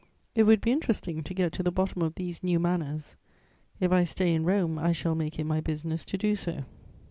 It would be interesting to get to the bottom of these new manners; if I stay in Rome, I shall make it my business to do so.